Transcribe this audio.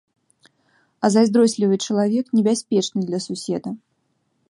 А зайздрослівы чалавек небяспечны для суседа.